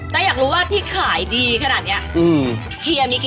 และอันนี้เป็นสะโพก